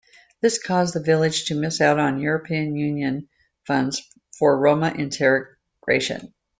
This caused the village to miss out on European Union funds for Roma integration.